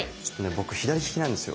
僕左利きなんですよ。